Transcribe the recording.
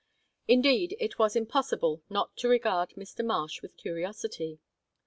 Indeed, it was impossible not to regard Mr. Marsh with curiosity.